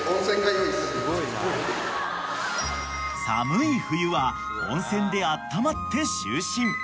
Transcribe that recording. ［寒い冬は温泉であったまって就寝］